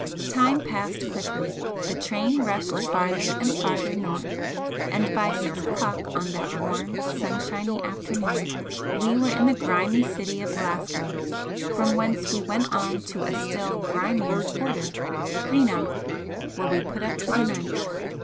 Time passed quickly, the train rushed farther and farther north, and by six o'clock on that warm, sunshiny afternoon we were in the grimy city of Glasgow, from whence we went on to a still grimier quarter, Greenock, where we put up for the night.